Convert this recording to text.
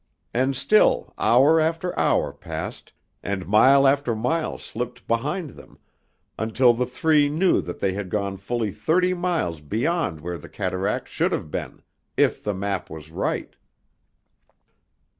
And still hour after hour passed, and mile after mile slipped behind them, until the three knew that they had gone fully thirty miles beyond where the cataract should have been, if the map was right.